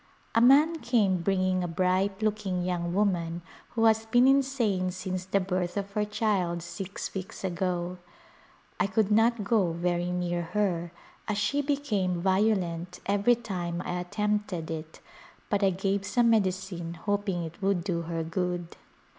A man came bringing a bright looking young woman who has been insane since the birth of her child six weeks ago. I could not go very near her as she became violent every time I attempted it, but I gave some medicine hoping it would do her good.